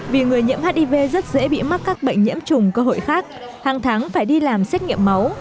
vì người nhiễm hiv rất dễ bị mắc các bệnh nhiễm trùng cơ hội khác hàng tháng phải đi làm xét nghiệm máu